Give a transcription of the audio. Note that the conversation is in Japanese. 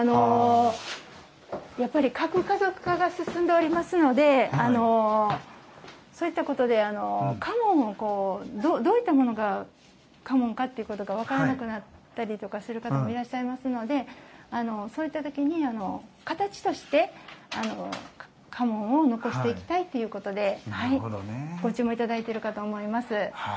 核家族化が進んでおりますのでそういったことでどういったものが家紋かということが分からなくなったりとかする方もいらっしゃいますのでそういった時に形として家紋を残していきたいということでご注文いただいてるかと思います。